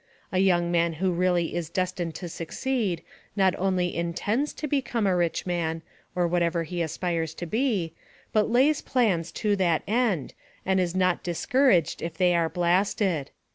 A young man who really is destined to succeed, not only INTENDS to become a rich man, or whatever he aspires to be, but lays plans to that end, and is not discouraged if they are blasted.